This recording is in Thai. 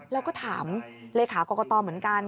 แล้วก็ถามเลขากรกตเหมือนกัน